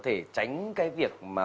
đúng không ạ